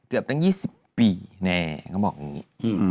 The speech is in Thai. เกือบตั้ง๒๐ปีแน่เขาบอกอย่างนี้